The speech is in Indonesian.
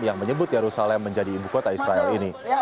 yang menyebut yerusalem menjadi ibu kota israel ini